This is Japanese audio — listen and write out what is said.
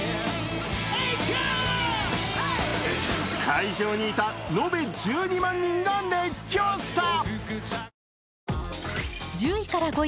会場にいた延べ１２万人が熱狂した。